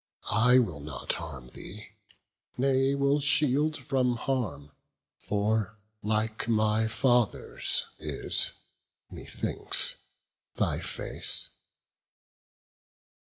I will not harm thee, nay will shield from harm, For like my father's is, methinks, thy face."